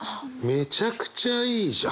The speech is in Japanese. めちゃくちゃいいじゃん。